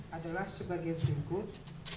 adalah sebagai berikut